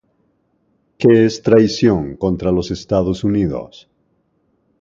¿Qué es traición contra los Estados Unidos?